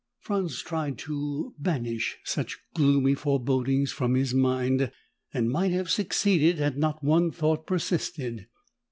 Franz tried to banish such gloomy forebodings from his mind and might have succeeded had not one thought persisted.